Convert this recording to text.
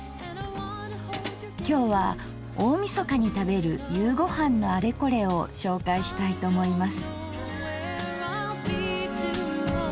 今日は大みそかに食べる夕ごはんのあれこれを紹介したいと思います。